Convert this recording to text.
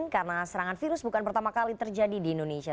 karena serangan virus bukan pertama kali terjadi di indonesia